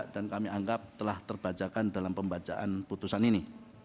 dan kami anggap telah terbajakan dalam pembajaan putusan ini